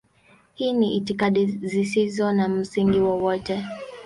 Hizi ni itikadi zisizo na msingi wowote.